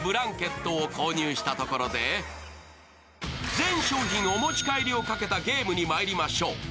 全商品をお持ち帰りをかけたゲームにまいりましょう。